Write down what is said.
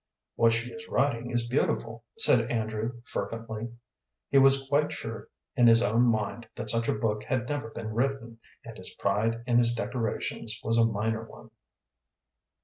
"What she is writing is beautiful," said Andrew, fervently. He was quite sure in his own mind that such a book had never been written, and his pride in his decorations was a minor one.